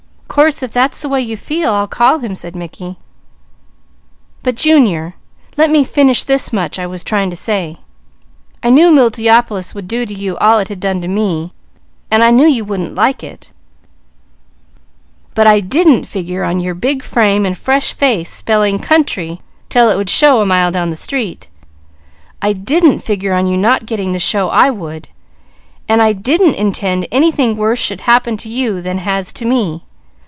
"Course if that's the way you feel, I'll call him," said Mickey, "but Junior, let me finish this much I was trying to say. I knew Multiopolis would do to you all it had done to me, and I knew you wouldn't like it; but I didn't figure on your big frame and fresh face spelling country 'til it would show a mile down the street. I didn't figure on you getting the show I would, and I didn't intend anything worse should happen to you than has to me.